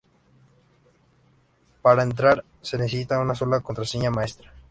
Para entrar se necesita una sola "Contraseña Maestra".